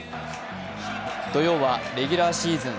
土曜はレギュラーシーズン